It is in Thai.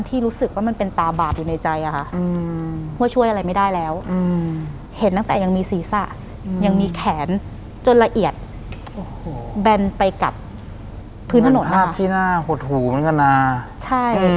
ที่รู้สึกเป็นตาบาดอยู่ในใจ